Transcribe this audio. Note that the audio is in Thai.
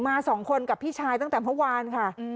สองคนกับพี่ชายตั้งแต่เมื่อวานค่ะ